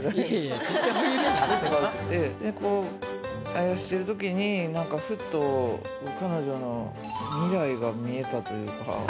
あやしてるときになんかふと彼女の未来が見えたというか。